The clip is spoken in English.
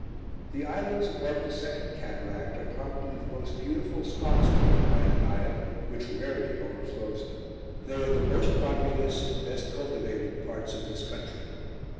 The islands above the Second Cataract are probably the most beautiful spots watered by the Nile, which rarely over flows them. They are the most populous and best cultivated parts of this country.